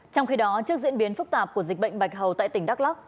trong khi đó trước diễn biến phức tạp của dịch bệnh bạch hầu tại tỉnh đắk lắc